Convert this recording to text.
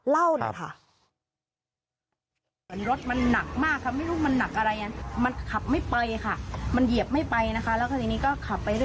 เล่าหน่อยค่ะ